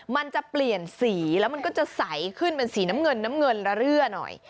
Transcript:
มันจะเปลี่ยนสีแล้วมันก็จะใสขึ้นเป็นสีน้ำเงินน้ำเงินระเรื่อหน่อย